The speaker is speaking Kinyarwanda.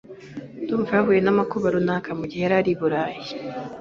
Ndumva yahuye namakuba runaka mugihe yari i Burayi.